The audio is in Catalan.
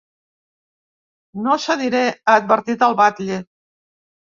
No cediré, ha advertit el batlle.